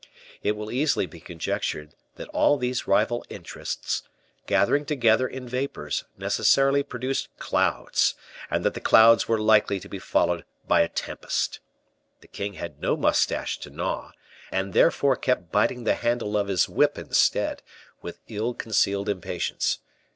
It will easily be conjectured that all these rival interests, gathering together in vapors, necessarily produced clouds, and that the clouds were likely to be followed by a tempest. The king had no mustache to gnaw, and therefore kept biting the handle of his whip instead, with ill concealed impatience.